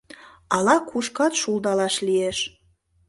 Ала-кушкат шулдалаш лиеш.